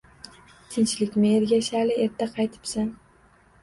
Tinchlikmi, Ergashali, erta qaytibsan?